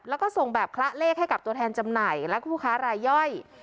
แล้วก็ส่งแบบคละเลขให้กับตัวแทนจำหน่ายและผู้ค้ารายย่อย